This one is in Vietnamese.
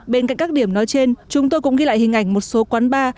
bên cạnh các điểm nói trên chúng tôi cũng ghi lại hình ảnh một số quán bar